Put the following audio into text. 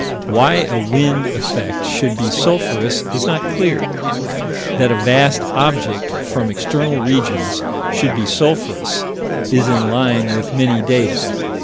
Why a wind effect should be sulphurous is not clear. That a vast object from external regions should be sulphurous is in line with many data.